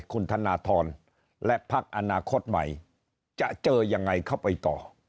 คุณธนทรและพักอนาคตใหม่จะเจอยังไงเข้าไปต่อ